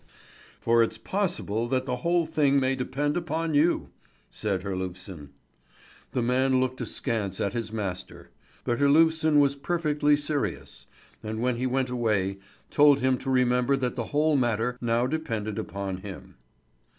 "For it's possible that the whole thing may depend upon you," said Herlufsen. The man looked askance at his master; but Herlufsen was perfectly serious, and when he went away, told him to remember that the whole matter now depended upon him.